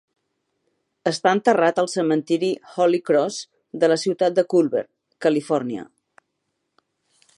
Està enterrat al cementiri Holy Cross de la ciutat de Culver, Califòrnia.